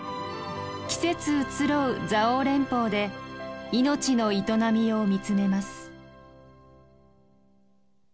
季節移ろう蔵王連峰で命の営みを見つめます。